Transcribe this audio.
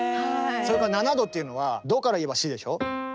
それから７度っていうのはドからいえばシでしょ。